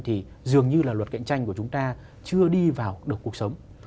thì dường như là luật cạnh tranh của chúng ta chưa đi vào được cuộc sống